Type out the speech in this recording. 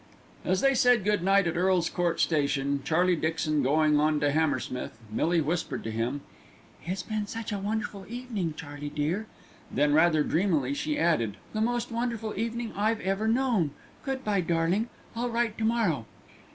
As they said good night at Earl's Court Station, Charlie Dixon going on to Hammersmith, Millie whispered to him, "It's been such a wonderful evening, Charlie dear;" then rather dreamily she added, "The most wonderful evening I've ever known. Good bye, darling; I'll write to morrow."